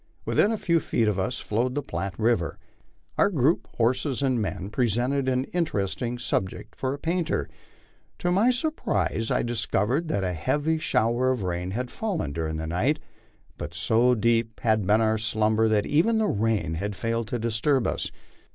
Within a few feet of us flowed the Platte river. Our group, horses and men, presented an interesting subject for a painter. To my sur prise I discovered that a heavy shower of rain had fallen during the night, but so deep had been our slumber that even the rain had failed to disturb us.